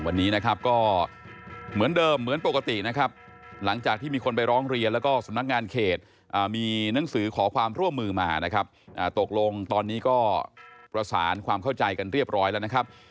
วันนี้นะครับก็เหมือนเดิมเหมือนปกตินะครับหลังจากที่มีคนไปร้องเรียนแล้วก็สำนักงานเขตมีหนังสือขอความร่วมมือมานะครับตกลงตอนนี้ก็ประสานความเข้าใจกันเรียบร้อยแล้วนะครับ